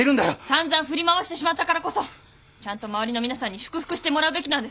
散々振り回してしまったからこそちゃんと周りの皆さんに祝福してもらうべきなんです。